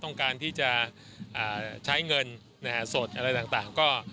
ต้องการที่จะใช้เงินสดอะไรต่างก็